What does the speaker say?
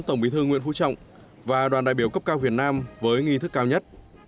tổng bí thư nguyễn phú trọng và đoàn đại biểu cấp cao việt nam với nghi thức cao nhất